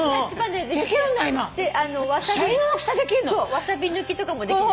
わさび抜きとかもできる。